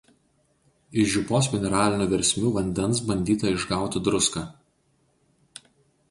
Iš Žiupos mineralinių versmių vandens bandyta išgauti druską.